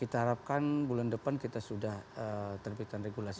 kita harapkan bulan depan kita sudah terbitkan regulasi